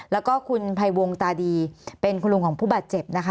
แล้วก็คุณภัยวงตาดีเป็นคุณลุงของผู้บาดเจ็บนะคะ